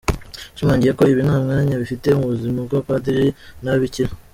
Yashimangiye ko "ibi nta mwanya bifite" mu buzima bw'abapadiri n'ababikira.